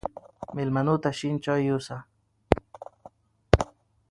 مېلمنو له شين چای يوسه